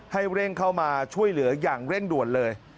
ให้เร่งเข้ามาช่วยเหลืออย่างเร่งด่วนเลย